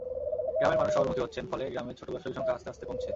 গ্রামের মানুষ শহরমুখী হচ্ছেন, ফলে গ্রামে ছোট ব্যবসায়ীর সংখ্যা আস্তে আস্তে কমছে।